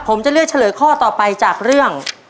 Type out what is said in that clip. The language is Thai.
ผมจะเลือกเฉลยข้อต่อไปจากเรื่อง